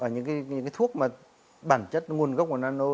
những cái thuốc mà bản chất nguồn gốc của nano